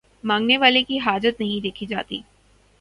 مانگنے والے کی حاجت نہیں دیکھی جاتی